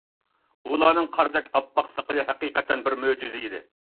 ئۇلارنىڭ قاردەك ئاپئاق ساقىلى ھەقىقەتەن بىر مۆجىزە.